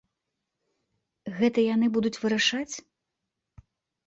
Гэта яны будуць вырашаць?